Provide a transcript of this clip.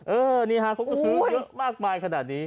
นี่ฮะเขาก็ซื้อเยอะมากมายขนาดนี้